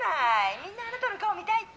みんなあなたの顔見たいって」。